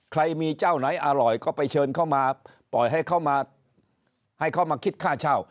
ใครมีเจ้าไหนอร่อยก็ไปเชิญเข้ามาปล่อยให้เขามาให้เขามาคิดค่าเช่า